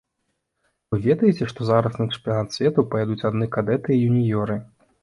Вы ведаеце, што зараз на чэмпіянат свету паедуць адны кадэты і юніёры?